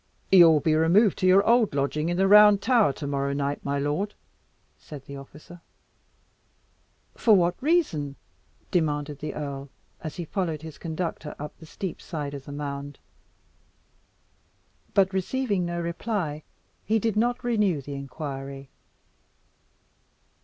"You will be removed to your old lodging, in the Round Tower, to morrow night, my lord," said the officer. "For what reason?" demanded the earl, as he followed his conductor up the steep side of the mound. But receiving no reply, he did not renew the inquiry.